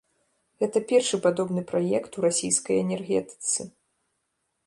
Гэта першы падобны праект у расійскай энергетыцы.